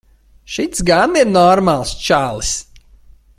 Šitas gan ir normāls čalis.